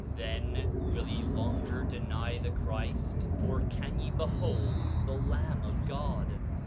9:3 Then will ye longer deny the Christ, or can ye behold the Lamb of God?